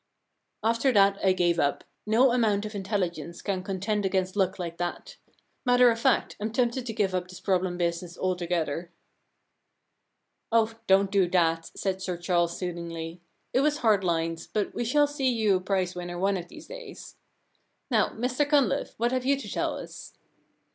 'After that I gave up. No amount of intelligence can contend against luck like that. Matter of fact, Fm tempted to give up this problem business altogether.* 12 The Giraffe Problem * Oh, don't do that/ said Sir Charles soothingly. * It was hard lines, but we shall see you a prize winner one of these days. Now, Mr Cunliffe, what have you to tell us